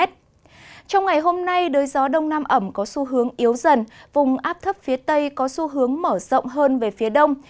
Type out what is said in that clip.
trong ngày hôm nay đới gió đông nam ẩm có xu hướng yếu dần vùng áp thấp phía tây có xu hướng mở rộng hơn về phía đông